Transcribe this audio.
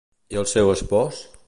I el seu espòs?